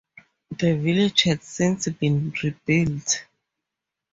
The village had since been rebuilt.